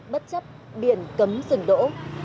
bất chấp biển cấm rừng đỗ